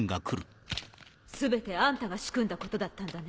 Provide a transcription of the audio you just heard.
全てあんたが仕組んだことだったんだね。